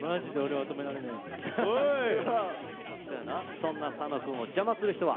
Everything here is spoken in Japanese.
そんな佐野くんを邪魔する人は？